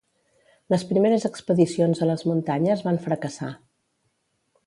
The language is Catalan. Les primeres expedicions a les muntanyes van fracassar.